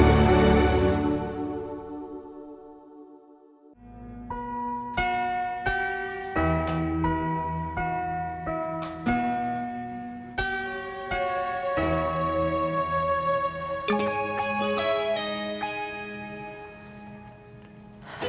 bapak nggak bisa berpikir pikir sama ibu